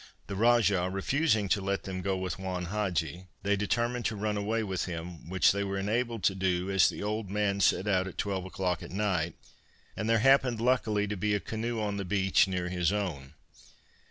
The Rajah refusing to let them go with Juan Hadgee they determined to run away with him, which they were enabled to do, as the old man set out at twelve o'clock at night, and there happened luckily to be a canoe on the beach near his own.